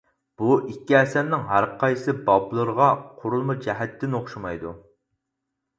بۇ ئىككى ئەسەرنىڭ ھەرقايسى بابلىرىغا قۇرۇلما جەھەتتىن ئوخشىمايدۇ.